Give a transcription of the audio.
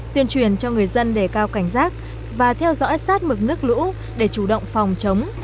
tuyên truyền cho người dân để cao cảnh giác và theo dõi sát mực nước lũ để chủ động phòng chống